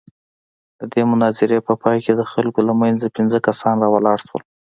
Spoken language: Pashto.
د دې مناظرې په پاى کښې د خلقو له منځه پينځه کسان راولاړ سول.